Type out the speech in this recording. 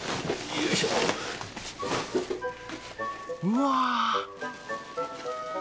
うわ！